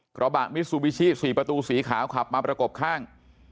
กระบะมิซูบิชิ๔ประตูสีขาวขับมาประกบข้าง